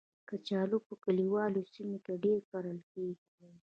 کچالو په کلیوالو سیمو کې ډېر کرل کېږي